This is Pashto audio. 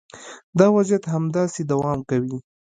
دا وضعیت همداسې دوام کوي